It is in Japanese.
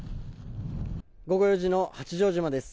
午後４時の八丈島です。